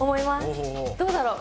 どうだろう？